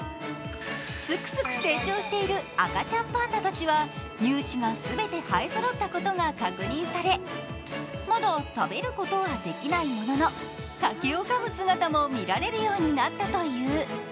すくすく成長している赤ちゃんパンダたちは乳歯がすべて生えそろったことが確認されまだ食べることはできないものの、竹をかむ姿も見られるようになったという。